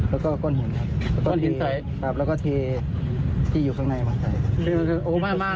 แล้วก็ก้นหินใสแล้วก็เทที่อยู่ข้างในมาใส่